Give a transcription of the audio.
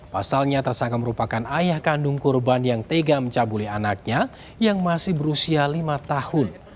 pasalnya tersangka merupakan ayah kandung korban yang tega mencabuli anaknya yang masih berusia lima tahun